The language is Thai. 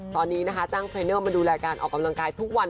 ตอนนี้นะคะจ้างเทรนเนอร์มาดูแลการออกกำลังกายทุกวัน